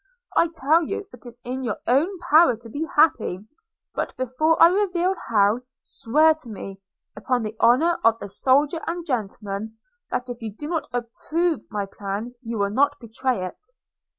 – I tell you, it is in your own power to be happy; but before I reveal how, swear to me, upon the honour of a soldier and a gentleman, that if you do not approve my plan you will not betray it.'